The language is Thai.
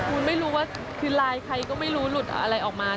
คุณไม่รู้ว่าคือไลน์ใครก็ไม่รู้หลุดอะไรออกมา